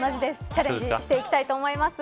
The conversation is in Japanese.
チャレンジしていきたいと思います。